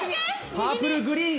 パープルグリーン